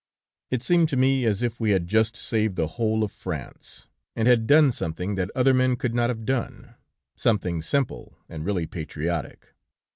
"It seemed to me as if we had just saved the whole of France, and had done something that other men could not have done, something simple and really patriotic.